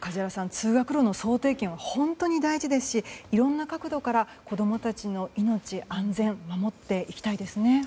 通学路の総点検は本当に大事ですしいろんな角度から子供たちの命、安全を守っていきたいですね。